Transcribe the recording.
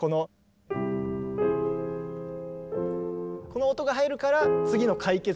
この音が入るから次の解決が